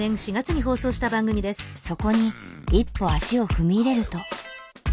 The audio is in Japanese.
そこに一歩足を踏み入れると。